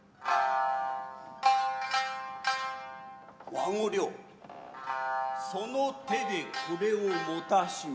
和御寮その手でこれを持たしめ。